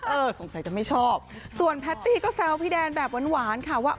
สงสัยจะไม่ชอบส่วนแพตตี้ก็แซวพี่แดนแบบหวานค่ะว่า